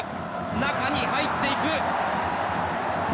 中に入っていく。